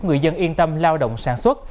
người dân yên tâm lao động sản xuất